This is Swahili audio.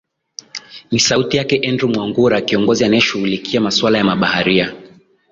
m ni sauti yake andrew mwangura kiongozi anaye shughulikia maswala ya mabaharia